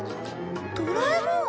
ドラえもん？